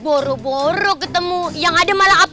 aku akan menganggap